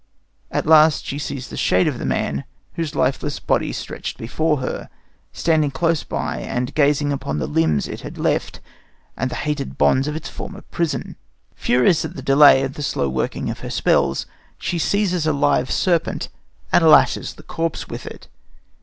At last she sees the shade of the man, whose lifeless body lies stretched before her, standing close by and gazing upon the limbs it had left and the hated bonds of its former prison. Furious at the delay and the slow working of her spells, she seizes a live serpent and lashes the corpse with it.